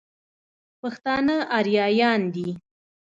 پښتانه اريايان دي.